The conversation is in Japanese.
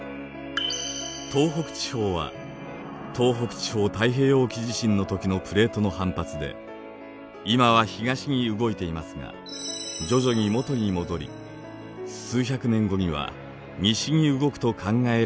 東北地方は東北地方太平洋沖地震の時のプレートの反発で今は東に動いていますが徐々に元に戻り数百年後には西に動くと考えられています。